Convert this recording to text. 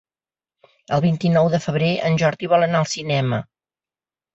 El vint-i-nou de febrer en Jordi vol anar al cinema.